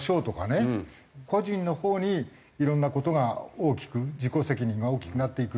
個人のほうにいろんな事が大きく自己責任が大きくなっていく。